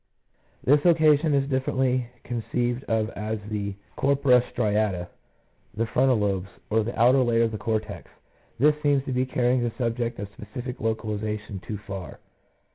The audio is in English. This location is differently conceived of as the corpora striata, the frontal lobes, or the outer layer of the cortex : this seems to be carrying the subject of specific localiza tion too far.